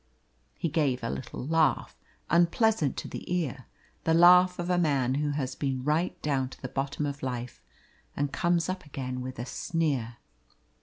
He gave a little laugh, unpleasant to the ear the laugh of a man who has been right down to the bottom of life and comes up again with a sneer.